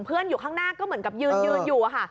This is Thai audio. อยู่ข้างหน้าก็เหมือนกับยืนอยู่ค่ะ